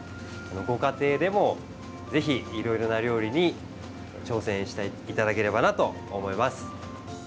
ご家庭でもぜひ、いろいろな料理に挑戦していただければと思います。